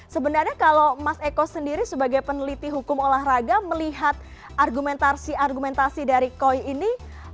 sebenarnya kalau mas eko sendiri sebagai peneliti hukum olahraga melihat argumentasi argumentasi dari koi ini